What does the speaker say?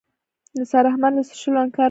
نثار احمدي له څښلو انکار وکړ.